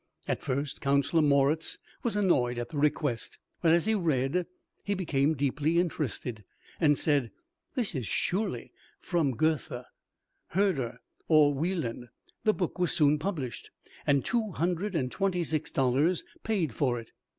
At first Counsellor Moritz was annoyed at the request; but as he read he became deeply interested, and said, this is surely from Goethe, Herder, or Weiland. The book was soon published, and two hundred and twenty six dollars paid for it!